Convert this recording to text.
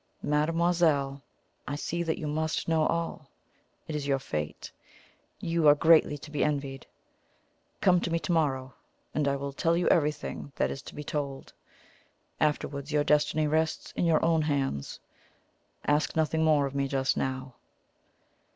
"Mademoiselle, I see that you must know all. It is your fate. You are greatly to be envied. Come to me to morrow, and I will tell you everything that is to be told. Afterwards your destiny rests in your own hands. Ask nothing more of me just now."